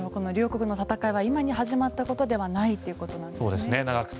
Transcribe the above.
この両国の戦いは今に始まったことではないということですね。